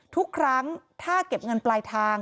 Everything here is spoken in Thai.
ทุกครั้งถ้าเก็บเงินปลายทาง